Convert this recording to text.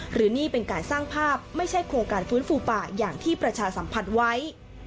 หรือนี่เป็นการสร้างภาพไม่ใช่โครงการฟื้นฟูป่าอย่างที่ประชาสัมพันธ์ไว้